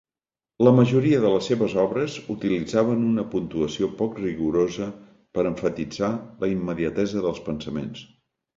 La majoria de les seves obres utilitzaven una puntuació poc rigorosa per emfatitzar la immediatesa dels pensaments.